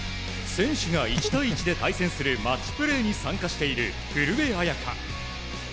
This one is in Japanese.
選手が１対１で対戦するマッチプレーに参加している古江彩佳。